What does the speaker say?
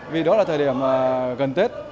vì đó là thời điểm gần tết